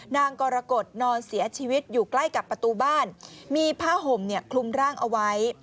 นางกรกฎนอนเสียชีวิตอยู่ใกล้กับประตูบ้านมีผ้าห่มคลุมร่างเอาไว้